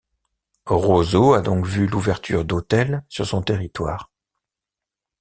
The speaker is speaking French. Roseau a donc vu l'ouverture d'hôtels sur son territoire.